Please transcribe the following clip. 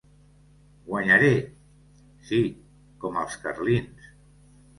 Guanyaré! —Sí, com els carlins.